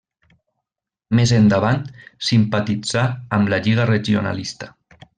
Més endavant, simpatitzà amb la Lliga Regionalista.